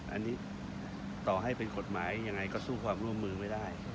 อันนี้ต่อให้เป็นกฎหมายยังไงก็สู้ความร่วมมือไม่ได้